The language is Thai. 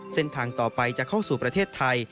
เส้นทางต่อไปจะเข้าสู่ประเทศไทย